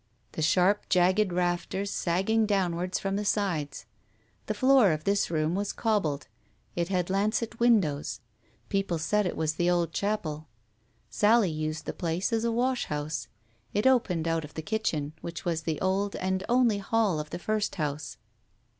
The sharp, jagged rafters sagged down wards from the sides. The floor of this room was cobbled, it had lancet windows : people said it was the old chapel. Sally used the place as a wash house; it opened out of her kitchen, which was the old and only hall of the first house.